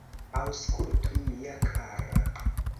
Aŭskultu, mia kara!